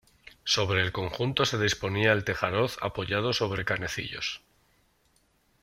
Sobre el conjunto se disponía el tejaroz apoyado sobre canecillos.